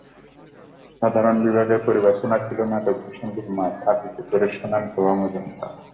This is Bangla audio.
সাধারণ বিভাগের পরিবেশনা ছিল নাটক ভূষণ্ডীর মাঠ, আবৃত্তি করে শোনান প্রভা মজুমদার।